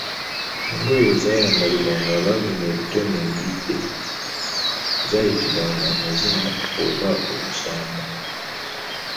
Engoye ezaayambalwanga abagenda okutema embidde zaayitibwanga amaziina oba olusamba.